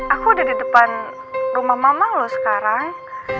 aku udah di depan rumah mama lo sekarang